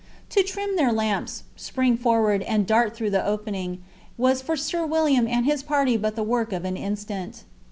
To trim their lamps, spring forward, and dart through the opening, was for Sir William and his party but the work of an instant.